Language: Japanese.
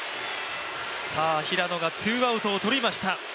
平野がツーアウトをとりました。